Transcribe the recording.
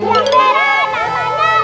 yang merah namanya zeman